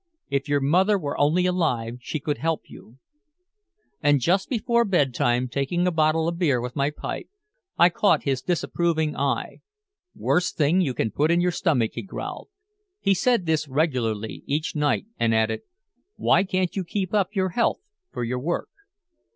If your mother were only alive she could help you!" And just before bedtime, taking a bottle of beer with my pipe, I caught his disapproving eye. "Worst thing you can put in your stomach," he growled. He said this regularly each night, and added, "Why can't you keep up your health for your work?"